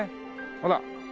ほら。